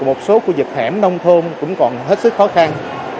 một số khu vực hẻm nông thôn cũng còn hết sức khó khăn